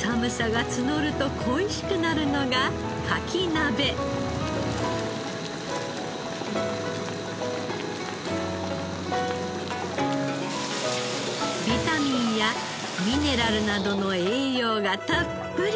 寒さが募ると恋しくなるのがビタミンやミネラルなどの栄養がたっぷり。